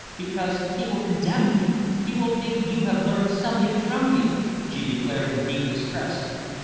"Because he will condemn me he will think you have learned something from me," she declared in deep distress.